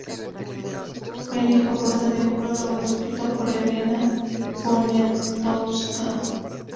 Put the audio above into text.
El libro goza de un prólogo escrito por Elena Poniatowska.